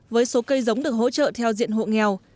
với số cây giống được hỗ trợ theo diện hộ nghèo